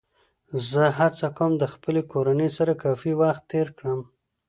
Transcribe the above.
زه هڅه کوم له خپلې کورنۍ سره کافي وخت تېر کړم